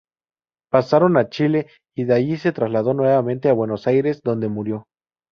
Pasaron a Chile y de allí se trasladó nuevamente a Buenos Aires, donde murió.